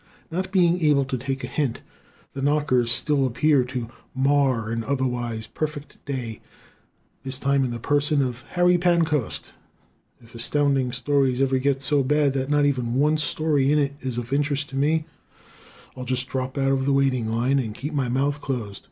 Not being able to take a hint, the knockers still appear to mar an otherwise perfect day this time in the person of Harry Pancoast. If Astounding Stories ever gets so bad that not even one story in it is of interest to me I'll just drop out of the waiting line and keep my mouth closed.